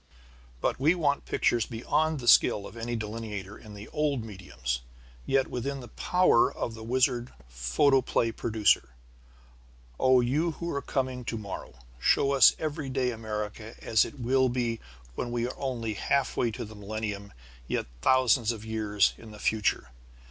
_But we want pictures beyond the skill of any delineator in the old mediums, yet within the power of the wizard photoplay producer_. Oh you who are coming to morrow, show us everyday America as it will be when we are only halfway to the millennium yet thousands of years in the future!